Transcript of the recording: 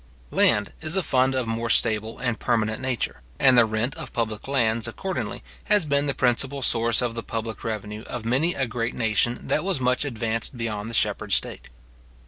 Land is a fund of more stable and permanent nature; and the rent of public lands, accordingly, has been the principal source of the public revenue of many a great nation that was much advanced beyond the shepherd state.